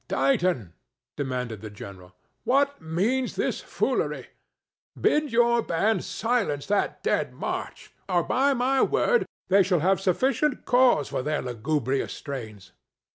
"Dighton," demanded the general, "what means this foolery? Bid your band silence that dead march, or, by my word, they shall have sufficient cause for their lugubrious strains.